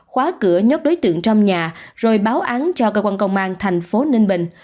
khóa cửa nhốt đối tượng trong nhà rồi báo án cho cơ quan công an thành phố ninh bình